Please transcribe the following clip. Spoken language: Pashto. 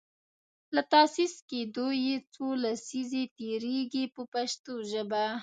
له تاسیس کیدو یې څو لسیزې تیریږي په پښتو ژبه.